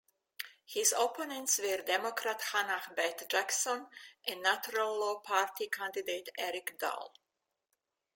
His opponents were Democrat Hannah-Beth Jackson and Natural Law Party candidate Eric Dahl.